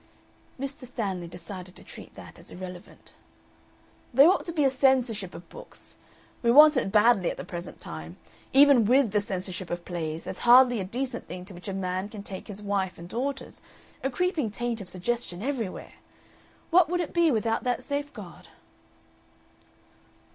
Mr. Stanley decided to treat that as irrelevant. "There ought to be a Censorship of Books. We want it badly at the present time. Even WITH the Censorship of Plays there's hardly a decent thing to which a man can take his wife and daughters, a creeping taint of suggestion everywhere. What would it be without that safeguard?"